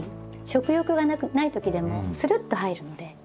食欲がない時でもするっと入るので。